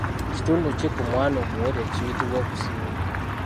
Kitundu ki ku mwana omuwere ekiyitibwa obusimbi?